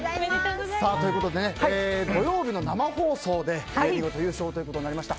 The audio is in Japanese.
ということで土曜日の生放送で見事優勝ということになりました。